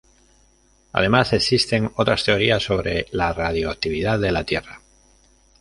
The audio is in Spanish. Además, existen otras teorías sobre la radioactividad de la Tierra.